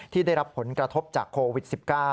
ที่ได้รับผลกระทบจากโควิด๑๙